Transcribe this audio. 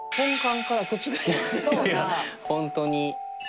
本当に。